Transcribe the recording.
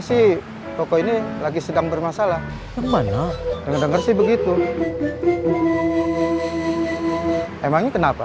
sih pokok ini lagi sedang bermasalah yang mana denger dengar sih begitu emang kenapa